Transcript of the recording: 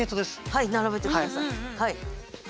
はい並べて下さい。